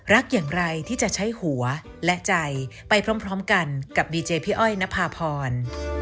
โปรดติดตามตอนต่อไป